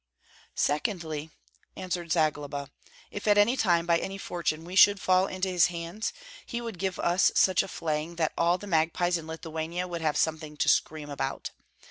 "Secondly," answered Zagloba, "if at any time, by any fortune, we should fall into his hands, he would give us such a flaying that all the magpies in Lithuania would have something to scream about.